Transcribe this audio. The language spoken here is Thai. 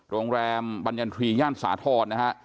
โรงแรมบัญญันทรีย่านสาธอดนะฮะ